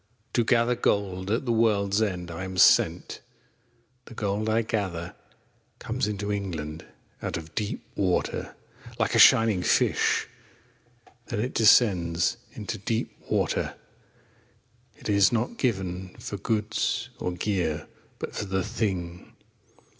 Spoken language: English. To gather Gold At the world's end I am sent. The Gold I gather Comes into England Out of deep Water. Like a shining Fish Then it descends Into deep Water. It is not given For goods or gear, But for The Thing.